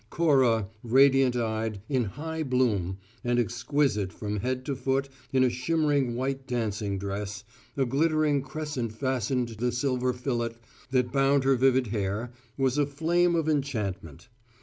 Cora, radiant eyed, in high bloom, and exquisite from head to foot in a shimmering white dancing dress, a glittering crescent fastening the silver fillet that bound her vivid hair, was a flame of enchantment.